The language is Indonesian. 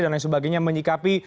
dan lain sebagainya menyikapi